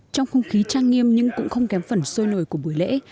trong không khí trang nghiêm nhưng cũng không kém phần sôi nổi của buổi lễ